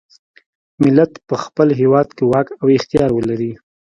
ملت په خپل هیواد کې واک او اختیار ولري.